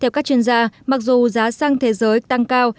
theo các chuyên gia mặc dù giá xăng thế giới tăng cao